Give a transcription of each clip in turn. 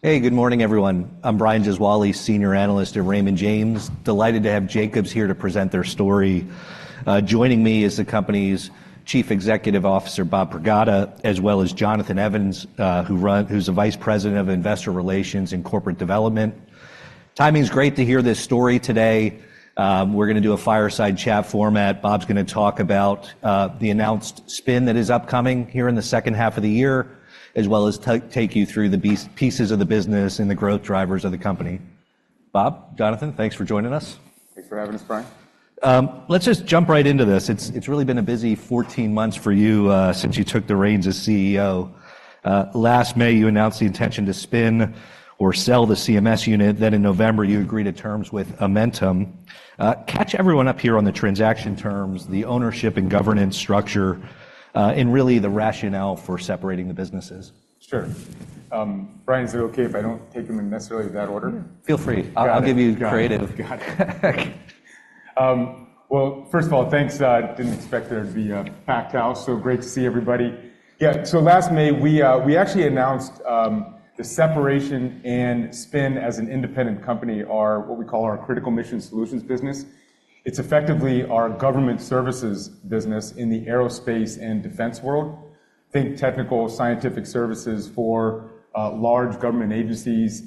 Hey, good morning, everyone. I'm Brian Gesuale, Senior Analyst at Raymond James. Delighted to have Jacobs here to present their story. Joining me is the company's Chief Executive Officer, Bob Pragada, as well as Jonathan Evans, who's the Vice President of Investor Relations and Corporate Development. Timing's great to hear this story today. We're gonna do a fireside chat format. Bob's gonna talk about the announced spin that is upcoming here in the second half of the year, as well as take you through the pieces of the business and the growth drivers of the company. Bob, Jonathan, thanks for joining us. Thanks for having us, Brian. Let's just jump right into this. It's really been a busy 14 months for you, since you took the reins as CEO. Last May, you announced the intention to spin or sell the CMS unit. Then in November, you agreed to terms with Amentum. Catch everyone up here on the transaction terms, the ownership and governance structure, and really the rationale for separating the businesses. Sure. Brian, is it okay if I don't take them in necessarily that order? Feel free. Got it. I'll give you creative. Got it. Well, first of all, thanks. Didn't expect there'd be a packed house, so great to see everybody. Yeah, so last May, we, we actually announced the separation and spin as an independent company, our, what we call our Critical Mission Solutions business. It's effectively our government services business in the aerospace and defense world. Think technical, scientific services for large government agencies,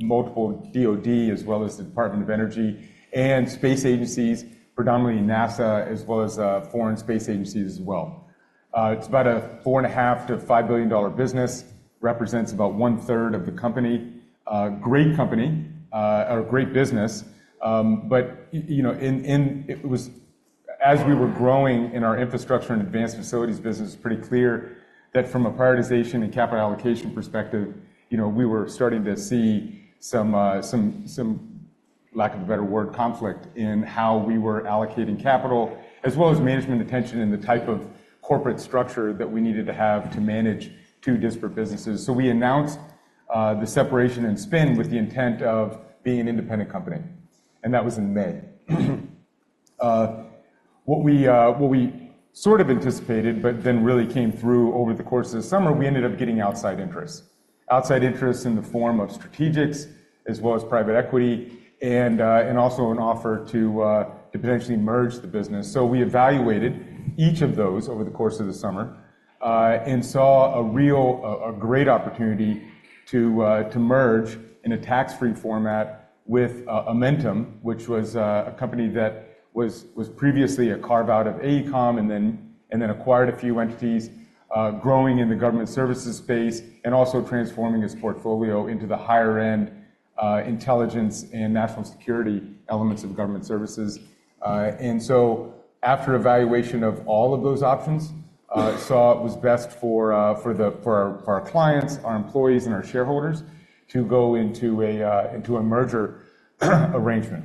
multiple DoD, as well as the Department of Energy and space agencies, predominantly NASA, as well as foreign space agencies as well. It's about a $4.5 billion-$5 billion business, represents about one-third of the company. Great company, or great business, but you know, as we were growing in our infrastructure and advanced facilities business, it's pretty clear that from a prioritization and capital allocation perspective, you know, we were starting to see some lack of a better word, conflict in how we were allocating capital, as well as management attention and the type of corporate structure that we needed to have to manage two disparate businesses. So we announced the separation and spin with the intent of being an independent company, and that was in May. What we sort of anticipated, but then really came through over the course of the summer, we ended up getting outside interest. Outside interest in the form of strategics as well as private equity, and also an offer to potentially merge the business. So we evaluated each of those over the course of the summer, and saw a real, a great opportunity to merge in a tax-free format with Amentum, which was a company that was previously a carve-out of AECOM and then acquired a few entities, growing in the government services space and also transforming its portfolio into the higher end, intelligence and national security elements of government services. And so after evaluation of all of those options, saw it was best for our clients, our employees, and our shareholders to go into a merger arrangement.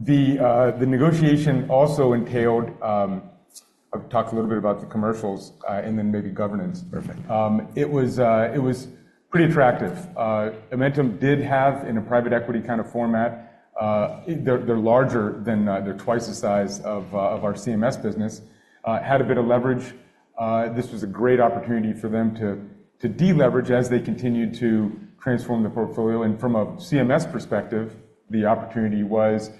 The negotiation also entailed... I'll talk a little bit about the commercials, and then maybe governance. Perfect. It was pretty attractive. Amentum did have, in a private equity kind of format, they're larger than, they're twice the size of our CMS business, had a bit of leverage. This was a great opportunity for them to de-leverage as they continued to transform the portfolio. And from a CMS perspective, the opportunity was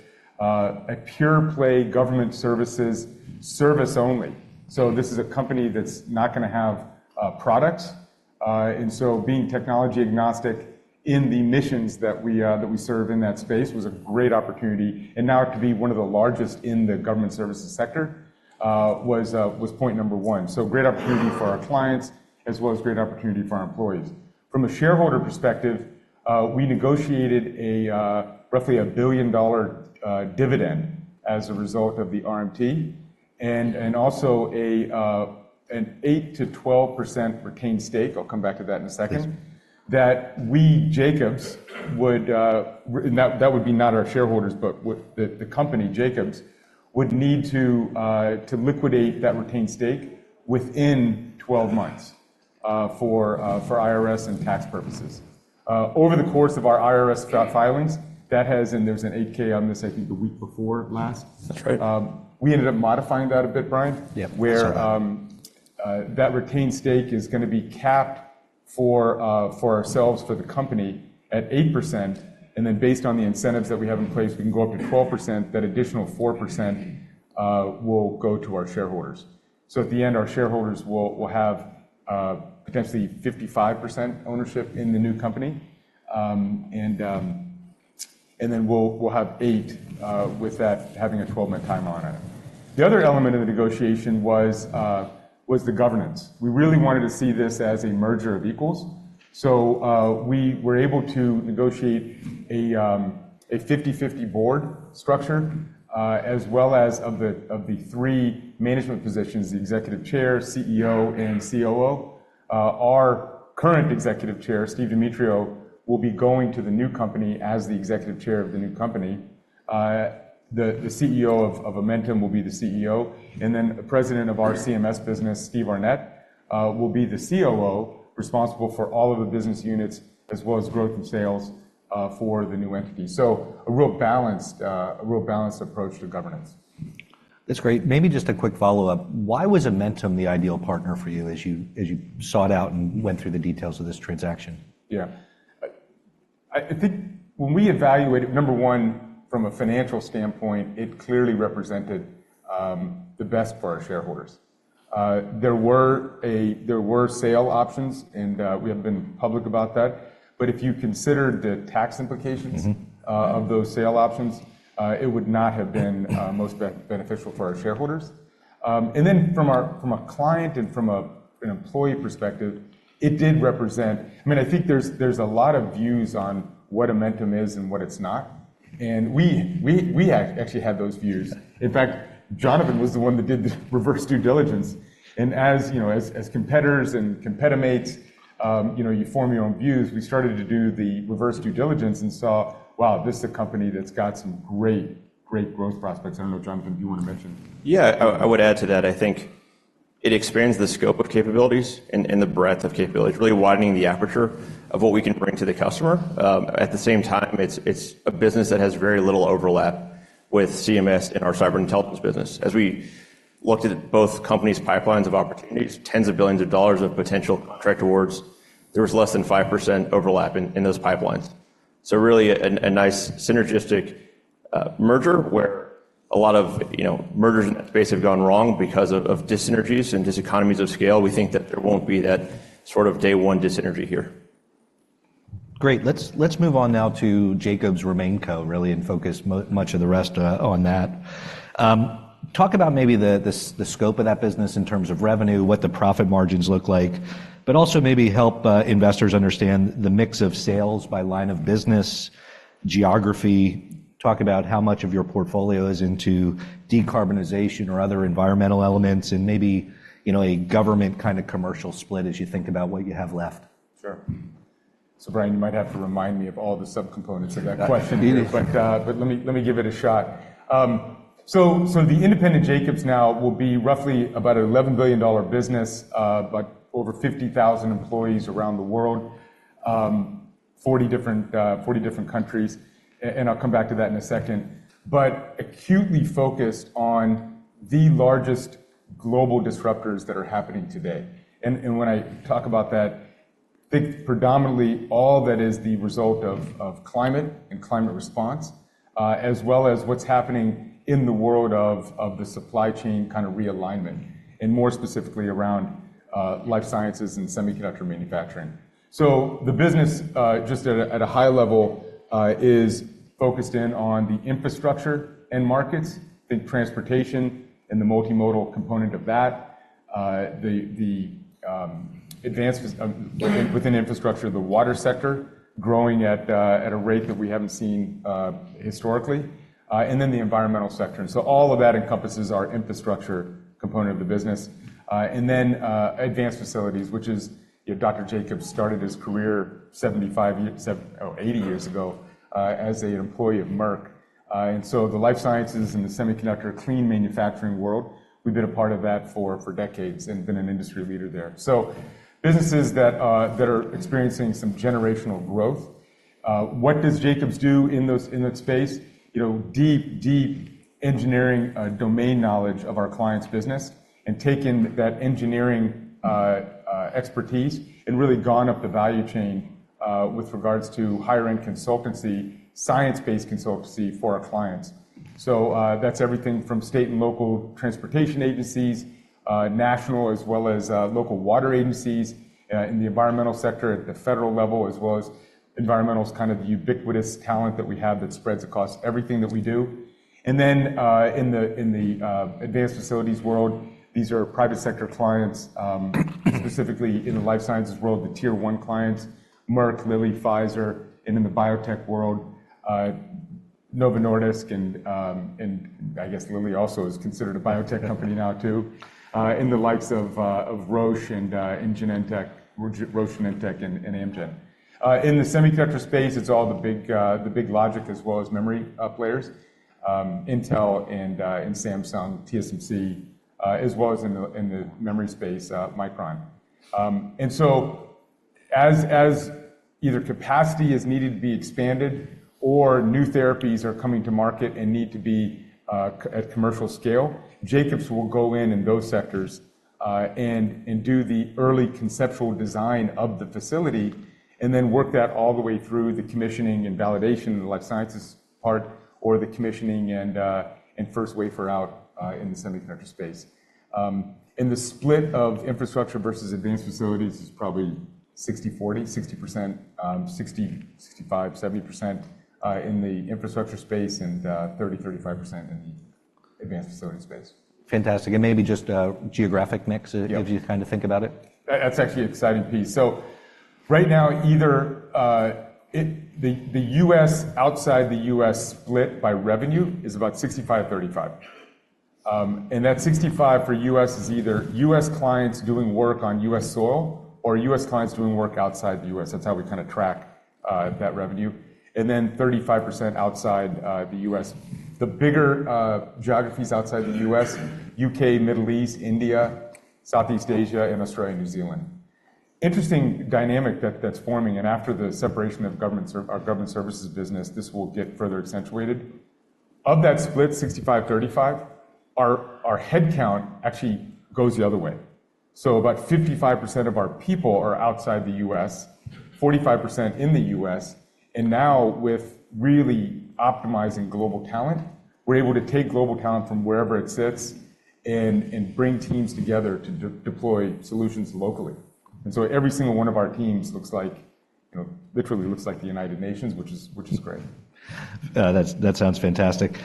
a pure play government services, service only. So this is a company that's not gonna have products. And so being technology agnostic in the missions that we serve in that space was a great opportunity, and now to be one of the largest in the government services sector was point number one. So great opportunity for our clients, as well as great opportunity for our employees. From a shareholder perspective, we negotiated roughly a $1 billion dividend as a result of the RMT, and also an 8%-12% retained stake. I'll come back to that in a second. Yes. That would be not our shareholders, but the company, Jacobs, would need to liquidate that retained stake within 12 months for IRS and tax purposes. Over the course of our IRS filings, that has, and there's an 8-K on this, I think, the week before last- That's right. We ended up modifying that a bit, Brian. Yeah. I saw that. Where, that retained stake is gonna be capped for, for ourselves, for the company at 8%, and then based on the incentives that we have in place, we can go up to 12%. That additional 4%, will go to our shareholders. So at the end, our shareholders will, will have, potentially 55% ownership in the new company. And, and then we'll, we'll have 8, with that having a 12-month timeline on it. The other element of the negotiation was, was the governance. We really wanted to see this as a merger of equals. So, we were able to negotiate a 50/50 board structure, as well as of the, of the three management positions, the Executive Chair, CEO, and COO. Our current Executive Chair, Steve Demetriou, will be going to the new company as the Executive Chair of the new company. The CEO of Amentum will be the CEO, and then the president of our CMS business, Steve Arnette, will be the COO, responsible for all of the business units, as well as growth and sales, for the new entity. So a real balanced, a real balanced approach to governance. That's great. Maybe just a quick follow-up: Why was Amentum the ideal partner for you as you, as you sought out and went through the details of this transaction? Yeah. I think when we evaluated, number one, from a financial standpoint, it clearly represented the best for our shareholders. There were sale options, and we have been public about that, but if you consider the tax implications- Mm-hmm Of those sale options, it would not have been most beneficial for our shareholders. And then from our, from a client and from a, an employee perspective, it did represent. I mean, I think there's, there's a lot of views on what Amentum is and what it's not, and we, we, we actually had those views. In fact, Jonathan was the one that did the reverse due diligence. And as, you know, as, as competitors and competitors, you know, you form your own views. We started to do the reverse due diligence and saw, wow, this is a company that's got some great, great growth prospects. I don't know, Jonathan, if you wanna mention? Yeah, I would add to that. I think it expands the scope of capabilities and the breadth of capabilities, really widening the aperture of what we can bring to the customer. At the same time, it's a business that has very little overlap with CMS and our cyber intelligence business. As we looked at both companies' pipelines of opportunities, tens of billions of dollars of potential contract awards, there was less than 5% overlap in those pipelines. So really, a nice synergistic merger, where a lot of, you know, mergers in that space have gone wrong because of dissynergies and diseconomies of scale. We think that there won't be that sort of day-one dissynergy here. Great! Let's move on now to Jacobs RemainCo, really, and focus much of the rest on that. Talk about maybe the scope of that business in terms of revenue, what the profit margins look like, but also maybe help investors understand the mix of sales by line of business, geography. Talk about how much of your portfolio is into decarbonization or other environmental elements, and maybe, you know, a government kind of commercial split as you think about what you have left. Sure. So, Brian, you might have to remind me of all the subcomponents of that question. Me either. But, but let me give it a shot. So, so the independent Jacobs now will be roughly about an $11 billion business, but over 50,000 employees around the world, 40 different, 40 different countries, and I'll come back to that in a second. But acutely focused on the largest global disruptors that are happening today. And, and when I talk about that, think predominantly all that is the result of, of climate and climate response, as well as what's happening in the world of, of the supply chain kind of realignment, and more specifically around, life sciences and semiconductor manufacturing. So the business, just at a high level, is focused in on the infrastructure and markets, think transportation and the multimodal component of that, the advance within infrastructure, the water sector growing at a rate that we haven't seen historically, and then the environmental sector. And so all of that encompasses our infrastructure component of the business. And then advanced facilities, which is, you know, Dr. Jacobs started his career 75 years, sev-- oh, 80 years ago, as a employee of Merck. And so the life sciences and the semiconductor clean manufacturing world, we've been a part of that for decades and been an industry leader there. So businesses that are experiencing some generational growth, what does Jacobs do in those, in that space? You know, deep, deep engineering, domain knowledge of our client's business and taken that engineering, expertise and really gone up the value chain, with regards to higher-end consultancy, science-based consultancy for our clients. So, that's everything from state and local transportation agencies, national as well as, local water agencies, in the environmental sector at the federal level, as well as environmental's kind of ubiquitous talent that we have that spreads across everything that we do. And then, in the advanced facilities world, these are private sector clients, specifically in the life sciences world, the Tier One clients, Merck, Lilly, Pfizer, and in the biotech world, Novo Nordisk and, and I guess Lilly also is considered a biotech company now too, in the likes of, of Roche and, Genentech, Roche, Genentech, and, and Amgen. In the semiconductor space, it's all the big, the big logic as well as memory, players, Intel and, and Samsung, TSMC, as well as in the memory space, Micron. And so as either capacity is needed to be expanded or new therapies are coming to market and need to be at commercial scale, Jacobs will go in those sectors, and do the early conceptual design of the facility and then work that all the way through the commissioning and validation in the life sciences part, or the commissioning and first wafer out, in the semiconductor space. And the split of infrastructure versus advanced facilities is probably 60-40, 60-70% in the infrastructure space and 30-35% in the advanced facility space. Fantastic. And maybe just a geographic mix- Yeah... if you kind of think about it. That, that's actually an exciting piece. So right now, either, it, the, the U.S./outside the U.S. split by revenue is about 65/35. And that 65 for U.S. is either U.S. clients doing work on U.S. soil or U.S. clients doing work outside the U.S. That's how we kinda track, that revenue, and then 35% outside, the U.S. The bigger, geographies outside the U.S.: UK, Middle East, India, Southeast Asia, and Australia, New Zealand.... Interesting dynamic that, that's forming, and after the separation of our government services business, this will get further accentuated. Of that split, 65, 35, our headcount actually goes the other way. So about 55% of our people are outside the US, 45% in the US, and now, with really optimizing global talent, we're able to take global talent from wherever it sits and bring teams together to deploy solutions locally. And so every single one of our teams looks like, you know, literally looks like the United Nations, which is great. That sounds fantastic.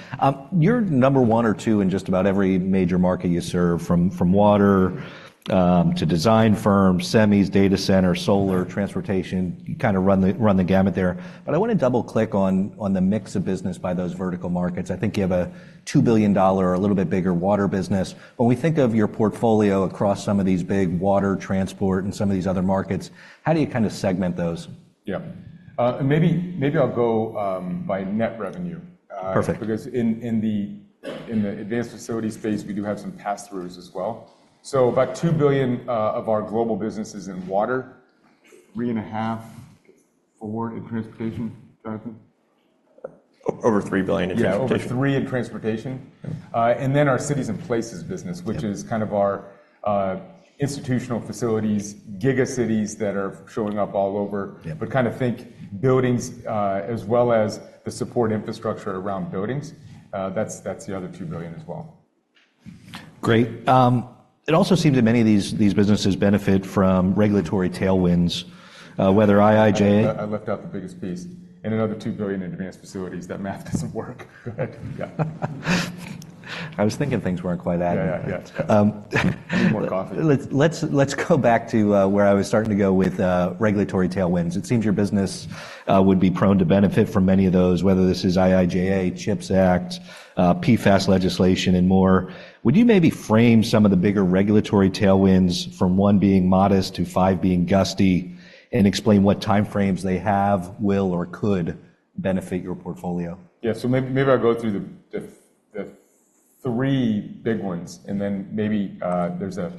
You're number one or two in just about every major market you serve, from water to design firms, semis, data center, solar, transportation. You kind of run the gamut there. But I wanna double-click on the mix of business by those vertical markets. I think you have a $2 billion or a little bit bigger water business. When we think of your portfolio across some of these big water, transport, and some of these other markets, how do you kind of segment those? Yeah. And maybe, maybe I'll go by net revenue. Perfect Because in the advanced facilities space, we do have some pass-throughs as well. So about $2 billion of our global business is in water, $3.5-$4 billion in transportation, Jonathan? $3 billion in transportation. Yeah, over 3 in transportation. And then our cities and places business- Yeah... which is kind of our, institutional facilities, giga cities that are showing up all over. Yeah. Kind of think buildings, as well as the support infrastructure around buildings. That's the other $2 billion as well. Great. It also seems that many of these businesses benefit from regulatory tailwinds, whether IIJA- I left out the biggest piece. Another $2 billion in advanced facilities. That math doesn't work, right? Yeah. I was thinking things weren't quite adding up. Yeah, yeah, yeah. Um, Need more coffee. Let's go back to where I was starting to go with regulatory tailwinds. It seems your business would be prone to benefit from many of those, whether this is IIJA, CHIPS Act, PFAS legislation, and more. Would you maybe frame some of the bigger regulatory tailwinds from one being modest to five being gusty, and explain what timeframes they have, will, or could benefit your portfolio? Yeah, so maybe I'll go through the three big ones, and then maybe there's a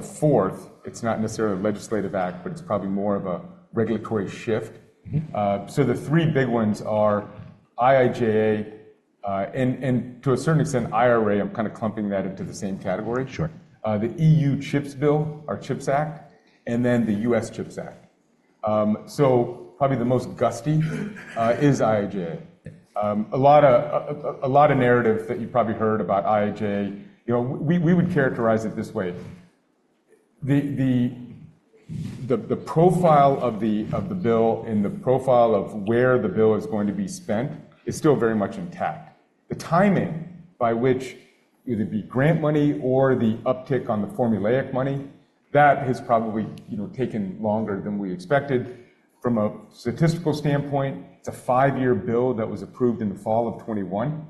fourth. It's not necessarily a legislative act, but it's probably more of a regulatory shift. Mm-hmm. So the three big ones are IIJA, and to a certain extent, IRA. I'm kind of clumping that into the same category. Sure. The EU CHIPS Act, and then the US CHIPS Act. So probably the most robust is IIJA. A lot of narrative that you probably heard about IIJA, you know, we would characterize it this way: the profile of the bill and the profile of where the bill is going to be spent is still very much intact. The timing by which either the grant money or the uptick on the formulaic money, that has probably, you know, taken longer than we expected. From a statistical standpoint, it's a five-year bill that was approved in the fall of 2021.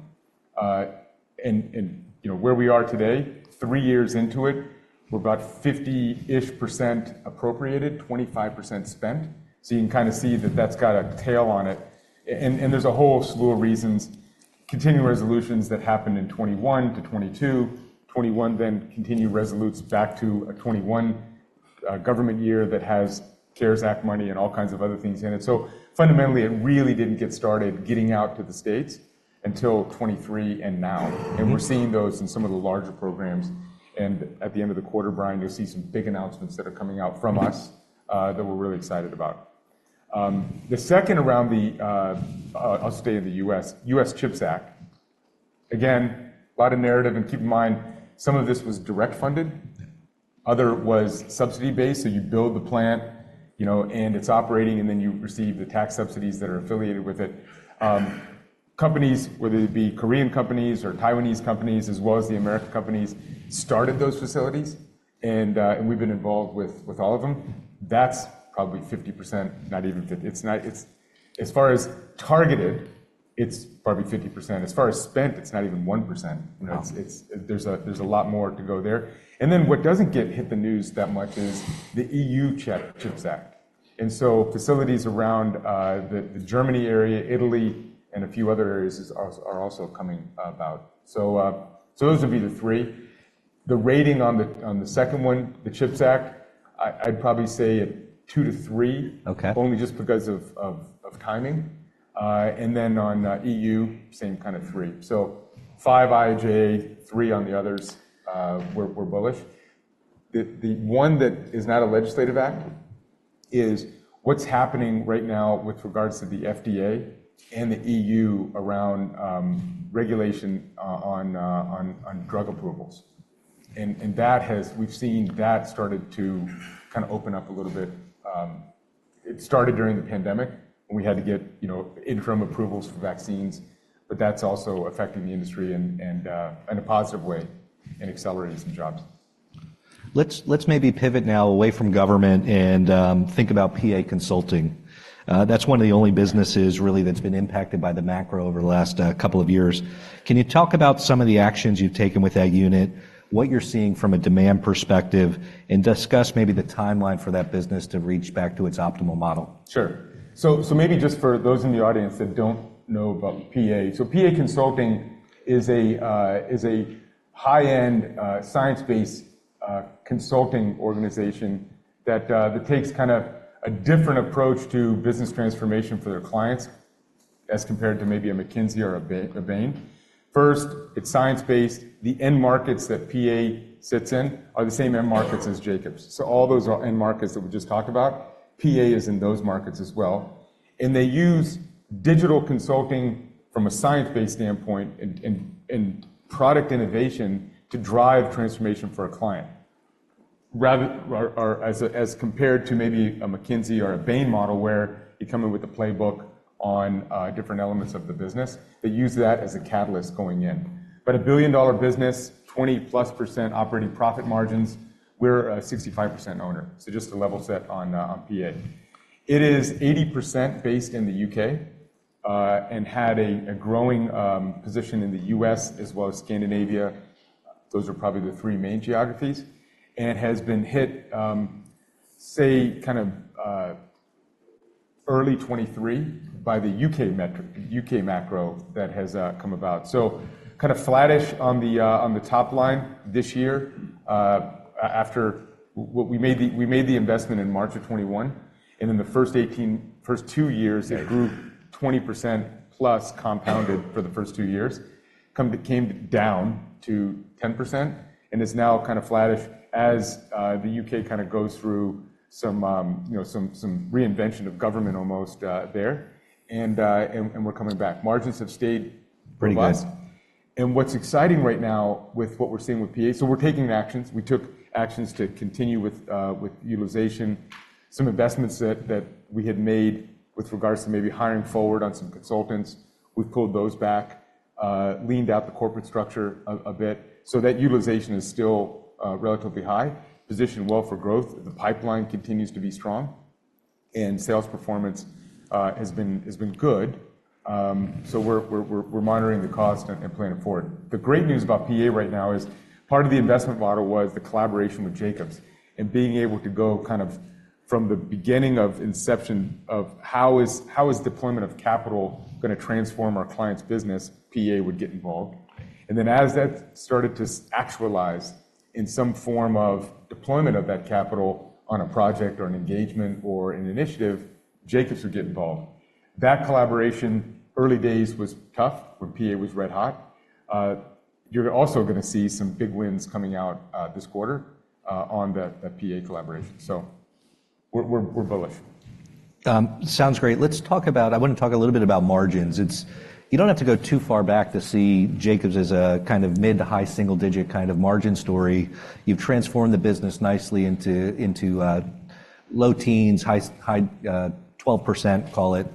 You know, where we are today, three years into it, we're about 50-ish% appropriated, 25% spent. So you can kind of see that that's got a tail on it. And there's a whole slew of reasons, continuing resolutions that happened in 2021-2022. 2021 then continued resolutions back to a 2021, government year that has CARES Act money and all kinds of other things in it. So fundamentally, it really didn't get started getting out to the states until 2023 and now. And we're seeing those in some of the larger programs, and at the end of the quarter, Brian, you'll see some big announcements that are coming out from us, that we're really excited about. The second around the, I'll stay in the US, US CHIPS Act. Again, a lot of narrative, and keep in mind, some of this was directly funded, other was subsidy-based. So you build the plant, you know, and it's operating, and then you receive the tax subsidies that are affiliated with it. Companies, whether it be Korean companies or Taiwanese companies, as well as the American companies, started those facilities, and we've been involved with all of them. That's probably 50%, not even 50. It's not—it's... As far as targeted, it's probably 50%. As far as spent, it's not even 1%. Wow! You know, it's— there's a lot more to go there. And then, what doesn't get hit the news that much is the EU CHIPS Act, and so facilities around the Germany area, Italy, and a few other areas are also coming about. So those would be the three. The rating on the second one, the CHIPS Act, I'd probably say 2-3- Okay only just because of timing. And then on EU, same kind of 3. So 5 IIJA, 3 on the others, we're bullish. The one that is not a legislative act is what's happening right now with regards to the FDA and the EU around regulation on drug approvals, and that has-- we've seen that started to kind of open up a little bit. It started during the pandemic, when we had to get, you know, interim approvals for vaccines, but that's also affecting the industry and in a positive way and accelerating some jobs. Let's, let's maybe pivot now away from government and, think about PA Consulting. That's one of the only businesses really that's been impacted by the macro over the last couple of years. Can you talk about some of the actions you've taken with that unit, what you're seeing from a demand perspective, and discuss maybe the timeline for that business to reach back to its optimal model? Sure. So, maybe just for those in the audience that don't know about PA. So PA Consulting is a high-end, science-based consulting organization that takes kind of a different approach to business transformation for their clients, as compared to maybe a McKinsey or a Bain. First, it's science-based. The end markets that PA sits in are the same end markets as Jacobs. So all those end markets that we just talked about, PA is in those markets as well, and they use digital consulting from a science-based standpoint and product innovation to drive transformation for a client. Rather, as compared to maybe a McKinsey or a Bain model, where you come in with a playbook on different elements of the business. They use that as a catalyst going in. But a billion-dollar business, 20%+ operating profit margins, we're a 65% owner. So just to level set on PA. It is 80% based in the UK and had a growing position in the US as well as Scandinavia. Those are probably the three main geographies, and it has been hit, say, kind of early 2023 by the UK macro that has come about. So kind of flattish on the top line this year, after we made the investment in March of 2021, and in the first two years, it grew 20%+, compounded for the first two years. It came down to 10% and is now kind of flattish as the UK kind of goes through some, you know, some reinvention of government almost there, and we're coming back. Margins have stayed pretty wide. Pretty good. And what's exciting right now with what we're seeing with PA, so we're taking actions. We took actions to continue with utilization. Some investments that we had made with regards to maybe hiring forward on some consultants, we've pulled those back, leaned out the corporate structure a bit. So that utilization is still relatively high, positioned well for growth, the pipeline continues to be strong, and sales performance has been good. So we're monitoring the cost and planning forward. The great news about PA right now is part of the investment model was the collaboration with Jacobs, and being able to go kind of from the beginning of inception of how is deployment of capital gonna transform our client's business, PA would get involved. And then as that started to actualize in some form of deployment of that capital on a project or an engagement or an initiative, Jacobs would get involved. That collaboration, early days, was tough when PA was red-hot. You're also gonna see some big wins coming out this quarter on that PA collaboration, so we're bullish. Sounds great. Let's talk about... I want to talk a little bit about margins. It's. You don't have to go too far back to see Jacobs as a kind of mid- to high single-digit kind of margin story. You've transformed the business nicely into low teens, high 12%, call it.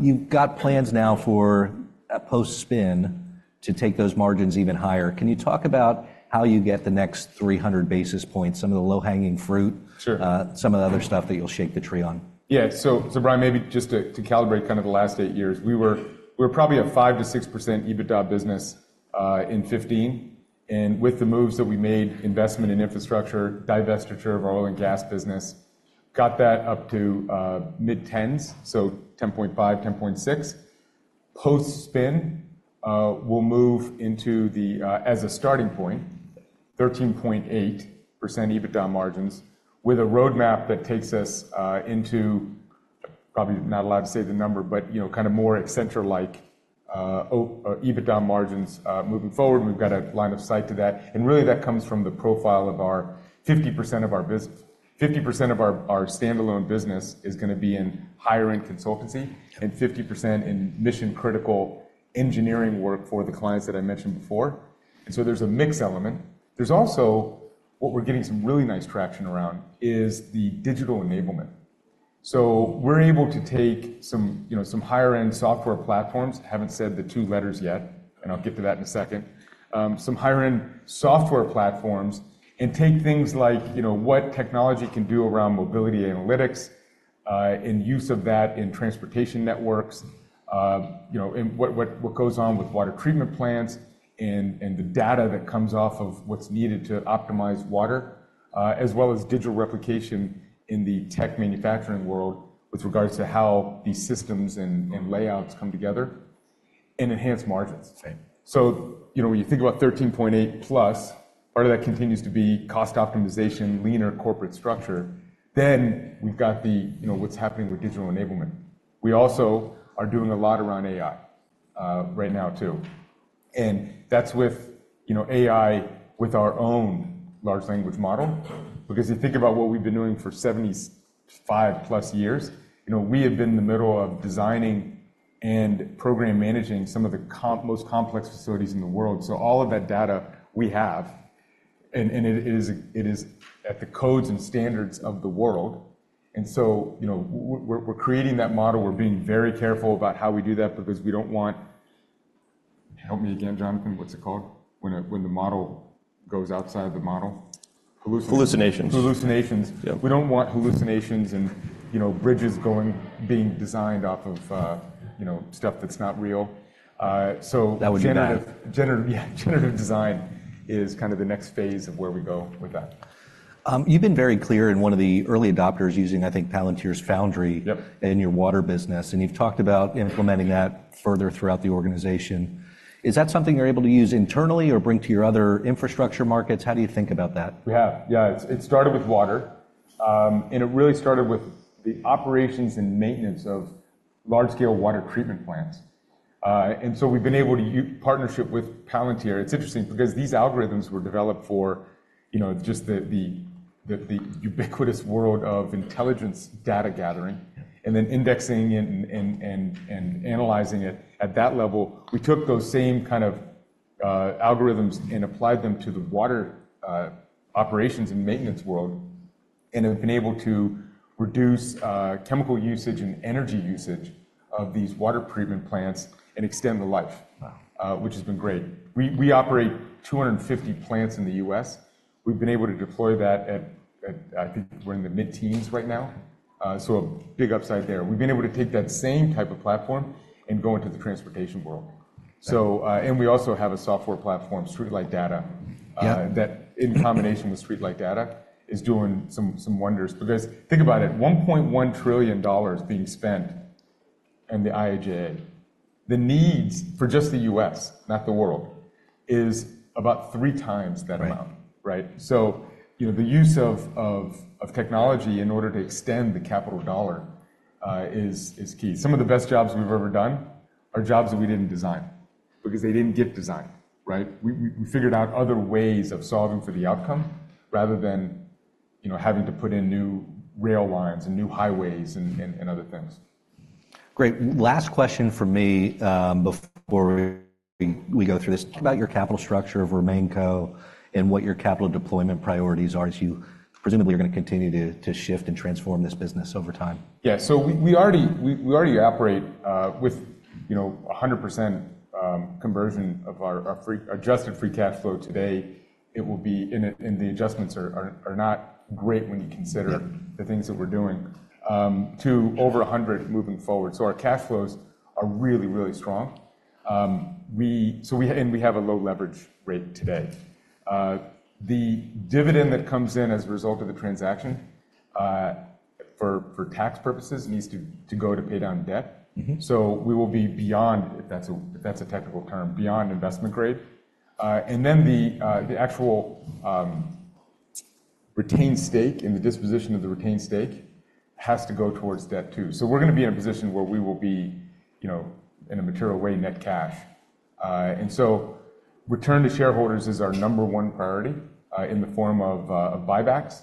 You've got plans now for a post-spin to take those margins even higher. Can you talk about how you get the next 300 basis points, some of the low-hanging fruit? Sure. Some of the other stuff that you'll shake the tree on. Yeah. So, Brian, maybe just to calibrate kind of the last eight years, we were probably a 5%-6% EBITDA business in 2015. And with the moves that we made, investment in infrastructure, divestiture of our oil and gas business, got that up to mid-tens, so 10.5, 10.6. Post-spin, we'll move into the as a starting point, 13.8% EBITDA margins, with a roadmap that takes us into, probably not allowed to say the number, but, you know, kind of more Accenture-like or EBITDA margins. Moving forward, we've got a line of sight to that, and really, that comes from the profile of our—50% of our business. 50% of our standalone business is gonna be in higher-end consultancy and 50% in mission-critical engineering work for the clients that I mentioned before. And so there's a mix element. There's also, what we're getting some really nice traction around, is the digital enablement. So we're able to take some, you know, some higher-end software platforms, haven't said the two letters yet, and I'll get to that in a second. Some higher-end software platforms and take things like, you know, what technology can do around mobility analytics, and use of that in transportation networks. You know, and what goes on with water treatment plants and the data that comes off of what's needed to optimize water, as well as digital replication in the tech manufacturing world with regards to how these systems and- Mm... and layouts come together and enhance margins. Okay. So, you know, when you think about $13.8+, part of that continues to be cost optimization, leaner corporate structure. Then we've got the, you know, what's happening with digital enablement. We also are doing a lot around AI, right now, too. And that's with, you know, AI with our own large language model. Because you think about what we've been doing for 75+ years, you know, we have been in the middle of designing and program managing some of the most complex facilities in the world. So all of that data we have, and it is at the codes and standards of the world. And so, you know, we're creating that model. We're being very careful about how we do that because we don't want... Help me again, Jonathan, what's it called when the model goes outside the model? Hallucinations. Hallucinations. Hallucinations. Yeah. We don't want hallucinations and, you know, bridges going, being designed off of, you know, stuff that's not real. So- That would be bad. Generative, generative, yeah, generative design is kind of the next phase of where we go with that. You've been very clear and one of the early adopters using, I think, Palantir's Foundry- Yep... in your water business, and you've talked about implementing that further throughout the organization. Is that something you're able to use internally or bring to your other infrastructure markets? How do you think about that? We have. Yeah, it started with water, and it really started with the operations and maintenance of large-scale water treatment plants. And so we've been able to partnership with Palantir. It's interesting because these algorithms were developed for, you know, just the ubiquitous world of intelligence data gathering, and then indexing and analyzing it at that level. We took those same kind of algorithms and applied them to the water operations and maintenance world, and have been able to reduce chemical usage and energy usage of these water treatment plants and extend the life- Wow! Which has been great. We operate 250 plants in the U.S. We've been able to deploy that at, I think we're in the mid-teens right now. So a big upside there. We've been able to take that same type of platform and go into the transportation world. Right. So, and we also have a software platform, StreetLight Data- Yeah. That in combination with StreetLight Data is doing some wonders. Because think about it, $1.1 trillion being spent in the IIJA. The needs for just the U.S., not the world, is about three times that amount. Right. Right? So, you know, the use of technology in order to extend the capital dollar is key. Some of the best jobs we've ever done are jobs that we didn't design because they didn't get designed, right? We figured out other ways of solving for the outcome rather than, you know, having to put in new rail lines and new highways and other things. Great. Last question from me, before we go through this. Talk about your capital structure of RemainCo and what your capital deployment priorities are as you, presumably, you're gonna continue to shift and transform this business over time. Yeah. So we already operate with, you know, 100% conversion of our adjusted free cash flow today. It will be. And the adjustments are not great when you consider- Yeah The things that we're doing to over 100 moving forward. So our cash flows are really, really strong. So we have a low leverage rate today. The dividend that comes in as a result of the transaction, for tax purposes, needs to go to pay down debt. Mm-hmm. So we will be beyond, if that's a technical term, beyond investment grade. And then the actual retained stake and the disposition of the retained stake has to go towards debt, too. So we're gonna be in a position where we will be, you know, in a material way, net cash. And so return to shareholders is our number one priority in the form of buybacks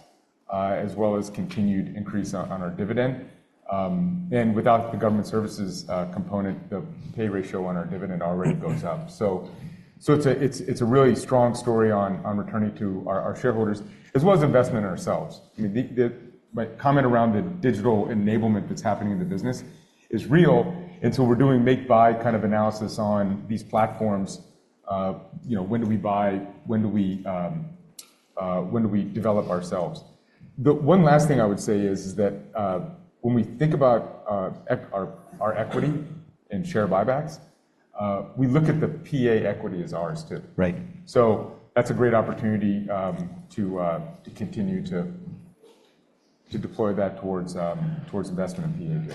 as well as continued increase on our dividend. And without the government services component, the pay ratio on our dividend already goes up. Mm-hmm. So it's a really strong story on returning to our shareholders, as well as investment in ourselves. I mean, my comment around the digital enablement that's happening in the business is real, and so we're doing make-buy kind of analysis on these platforms. You know, when do we buy? When do we develop ourselves? The one last thing I would say is that when we think about our equity and share buybacks, we look at the PA equity as ours, too. Right. So that's a great opportunity to continue to deploy that towards investment in PA.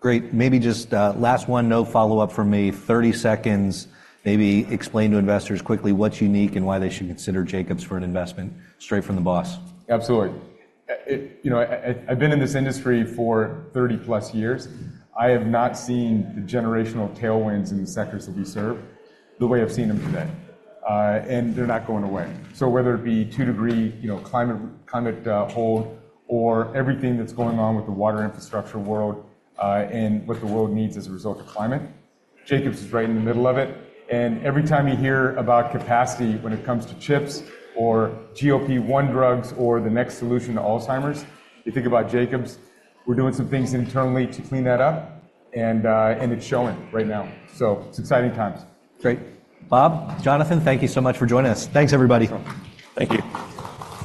Great. Maybe just, last one, no follow-up from me. 30 seconds, maybe explain to investors quickly what's unique and why they should consider Jacobs for an investment, straight from the boss. Absolutely. You know, I've been in this industry for 30+ years. I have not seen the generational tailwinds in the sectors that we serve the way I've seen them today. And they're not going away. So whether it be 2-degree, you know, climate, climate goal, or everything that's going on with the water infrastructure world, and what the world needs as a result of climate, Jacobs is right in the middle of it. And every time you hear about capacity when it comes to chips or GLP-1 drugs or the next solution to Alzheimer's, you think about Jacobs. We're doing some things internally to clean that up, and it's showing right now, so it's exciting times. Great. Bob, Jonathan, thank you so much for joining us. Thanks, everybody. Thank you.